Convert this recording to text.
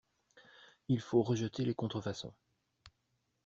Il faut rejetter les contre-façons.